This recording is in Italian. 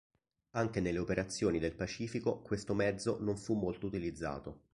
Anche nelle operazioni del Pacifico questo mezzo non fu molto utilizzato.